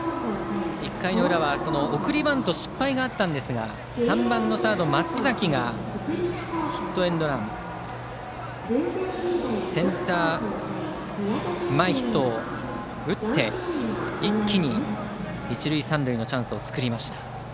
１回の裏は送りバント失敗があったんですが３番のサード、松崎がセンター前ヒットを打って一気に一塁三塁のチャンスを作りました。